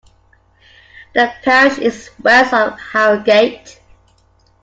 The parish is west of Harrogate.